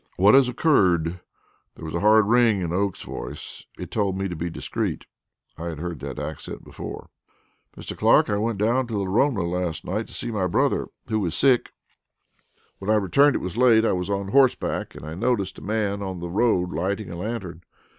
"What has occurred?" There was a hard ring in Oakes's voice. It told me to be discreet; I had heard that accent before. "Mr. Clark, I went down to Lorona last night to see my brother, who is sick. When I returned it was late. I was on horseback, and I noticed a man on the road lighting a lantern.